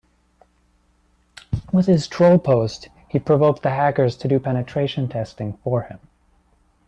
With his troll post he provoked the hackers to do penetration testing for him.